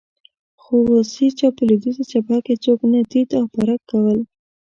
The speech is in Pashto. خو اوس هېڅ چا په لوېدیځه جبهه کې څوک نه تیت او پرک کول.